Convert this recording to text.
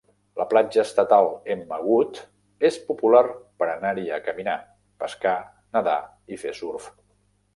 La platja estatal Emma Wood és popular per anar-hi a caminar, pescar, nedar i fer surf.